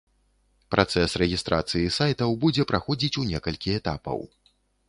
Працэс рэгістрацыі сайтаў будзе праходзіць у некалькі этапаў.